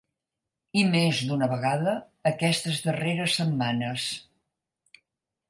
I més d’una vegada, aquestes darreres setmanes.